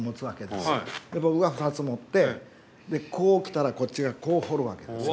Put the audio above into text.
で僕が２つ持ってでこう来たらこっちがこう放るわけです。